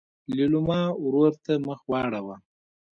لېلما ورور ته مخ واړوه.